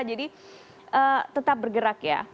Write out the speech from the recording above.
jadi tetap bergerak ya